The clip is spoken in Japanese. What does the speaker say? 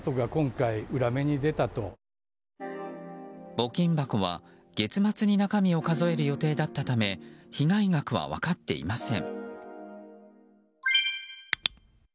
募金箱は、月末に中身を数える予定だったため被害額は分かっていません。